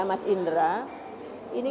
mas indra ini